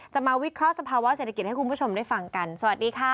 มาวิเคราะห์สภาวะเศรษฐกิจให้คุณผู้ชมได้ฟังกันสวัสดีค่ะ